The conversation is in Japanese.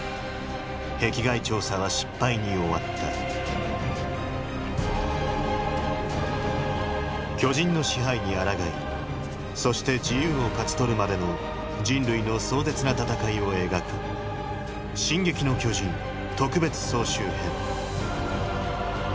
壁外調査は失敗に終わった巨人の支配に抗いそして自由を勝ち取るまでの人類の壮絶な戦いを描く「進撃の巨人特別総集編」